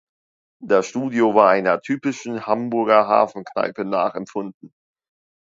Das Studio war einer typischen Hamburger Hafenkneipe nachempfunden.